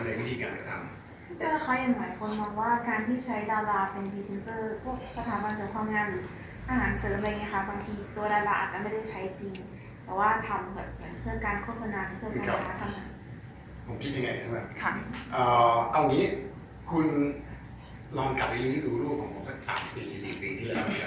ผมคิดยังไงครับเอาอย่างนี้คุณลองกลับไปดูรูปของผม๓๔ปีที่แล้ว